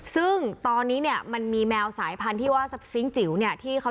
ซึ่งตอนนี้มันมีแมวสายพันธุ์ที่ว่าสฟิงค์จิ๋วเนี่ย